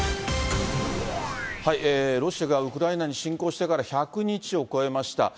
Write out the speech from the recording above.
ロシアがウクライナに侵攻してから１００日を超えました。